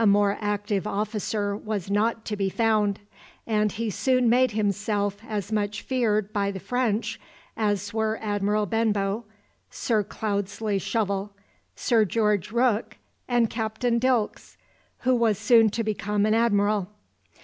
A more active officer was not to be found; and he soon made himself as much feared by the French as were Admiral Benbow, Sir Cloudesley Shovel, Sir George Rooke, and Captain Dilkes, who was soon to become an Admiral.